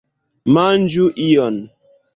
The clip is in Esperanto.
Manĝu ion!